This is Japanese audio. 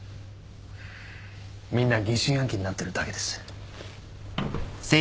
みんな疑心暗鬼になってるだけです。